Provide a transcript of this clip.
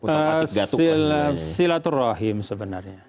eee silaturrahim sebenarnya